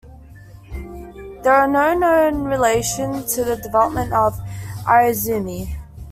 There is no known relation to the development of irezumi.